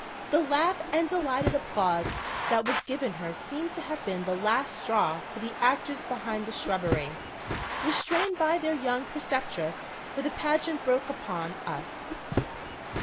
The laugh and delighted applause that was given her seemed to have been the last straw to the actors behind the shrubbery, restrained by their young preceptress, for the pageant broke upon us.